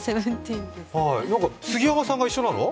杉山さんが一緒なの？